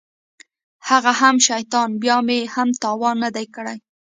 هغه هم شيطان بيا مې هم تاوان نه دى کړى.